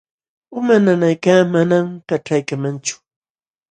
Uma nanaykaq manam kaćhaykamanchu.